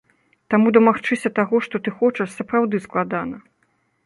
Таму дамагчыся таго, што ты хочаш, сапраўды складана.